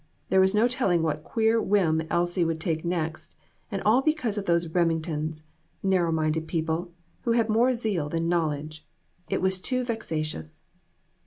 There was no telling what queer whim Elsie would take next, and all because of those Reming tons narrow minded people who had more zeal than knowledge. It was too vexatious.